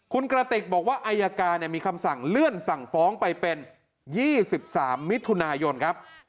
คุณกระติกบอกว่าอายการมีคำสั่งเลื่อนสั่งฟ้องไปเป็น๒๓มิถุนายนครับ